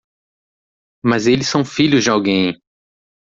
Mas eles são filhos de alguém.